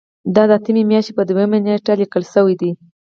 دا د اتمې میاشتې په دویمه نیټه لیکل شوې ده.